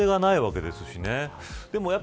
元手がないわけですしね。